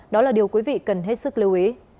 đó là điều quý vị cần hết sức lưu ý